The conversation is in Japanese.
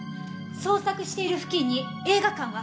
捜索している付近に映画館は？